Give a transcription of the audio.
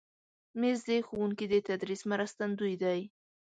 مېز د ښوونکي د تدریس مرستندوی دی.